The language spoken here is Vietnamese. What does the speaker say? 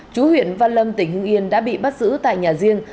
chú huyện văn lâm tỉnh hưng yên đã bị bắt giữ tại nhà riêng